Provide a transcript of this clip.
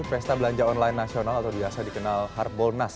pesta belanja online nasional atau biasa dikenal harbolnas